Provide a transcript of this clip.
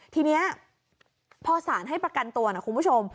ทีนี้พอสารให้ประกันตัวนะคุณผู้ชม